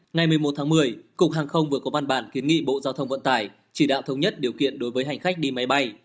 ngày một mươi một tháng một mươi cục hàng không vừa có văn bản kiến nghị bộ giao thông vận tải chỉ đạo thống nhất điều kiện đối với hành khách đi máy bay